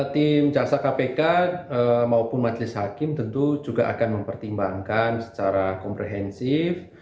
tim jaksa kpk maupun majelis hakim tentu juga akan mempertimbangkan secara komprehensif